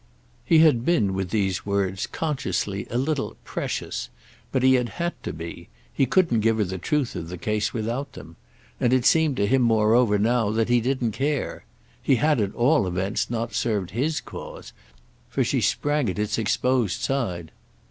He had been, with these words, consciously a little "precious"; but he had had to be—he couldn't give her the truth of the case without them; and it seemed to him moreover now that he didn't care. He had at all events not served his cause, for she sprang at its exposed side.